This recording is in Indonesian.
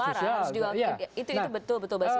itu bahasa suara itu betul betul bahasa suara